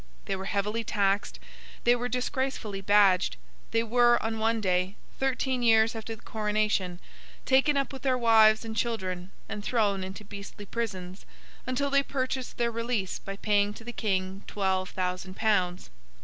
They were heavily taxed; they were disgracefully badged; they were, on one day, thirteen years after the coronation, taken up with their wives and children and thrown into beastly prisons, until they purchased their release by paying to the King twelve thousand pounds.